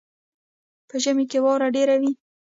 په ژمي کې واوره ډیره وي.